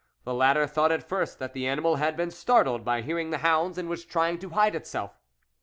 The latter thought at first that the animal had been startled by hearing the hounds, and was trying to hide itself.